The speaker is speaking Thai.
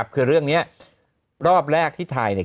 คือเรื่องนี้รอบแรกที่ถ่ายเนี่ย